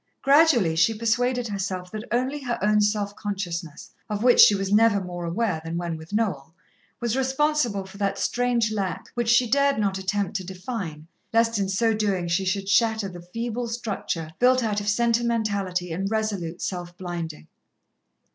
Gradually she persuaded herself that only her own self consciousness, of which she was never more aware than when with Noel, was responsible for that strange lack, which she dared not attempt to define, lest in so doing she should shatter the feeble structure built out of sentimentality and resolute self blinding.